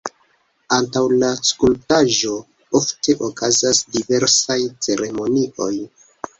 Antaŭ la skulptaĵo ofte okazas diversaj ceremonioj.